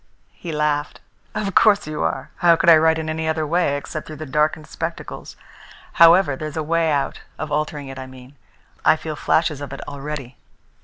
He laughed. "Of course you are! How could I write in any other way except through the darkened spectacles? However, there's a way out of altering it, I mean. I feel flashes of it already.